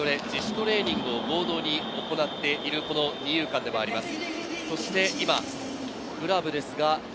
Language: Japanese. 自主トレーニングを合同で行っている二遊間でもあります。